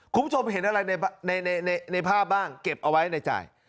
คุณผู้ชมเห็นอะไรในภาพบ้างเก็บเอาไว้ในใจ